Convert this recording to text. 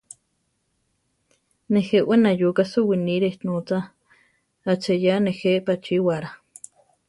Nejé we nayuka suwinire notza, aacheyá nejé pachíwara.